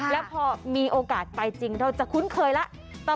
แล้วพอมีโอกาสไปจริงเราจะคุ้นเคยแล้ว